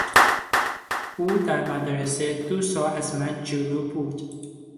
او در مدرسه دو سال از من جلو بود.